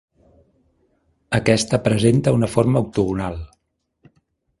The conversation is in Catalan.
Aquesta presenta una forma octogonal.